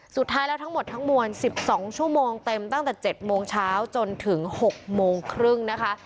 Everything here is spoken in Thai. สุดท้ายแล้วทั้งหมดทั้งมวล๑๒ชั่วโมงเต็มตั้งแต่๗โมงเช้าจนถึง๖โมงครึ่งนะคะ